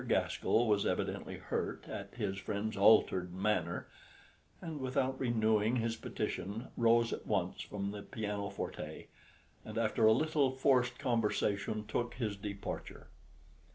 Gaskell was evidently hurt at his friend's altered manner, and without renewing his petition rose at once from the pianoforte, and after a little forced conversation took his departure.